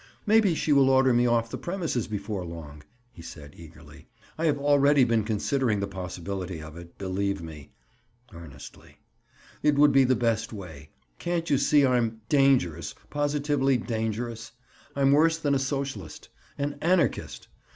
"Maybe she will order me off the premises before long," he said eagerly. "I have already been considering the possibility of it. Believe me," earnestly, "it would be the best way. Can't you see I'm—dangerous—positively dangerous? I'm worse than a socialist—an anarchist!